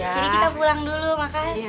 jadi kita pulang dulu makasih